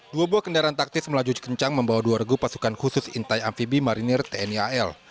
dua buah kendaraan taktis melaju kencang membawa dua regu pasukan khusus intai amfibi marinir tni al